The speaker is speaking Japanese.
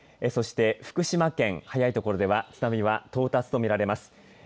そして福島県、早いところでは津波は到達と見られます。